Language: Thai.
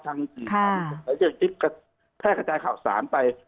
ทางหลักภายใจข่าวสารไป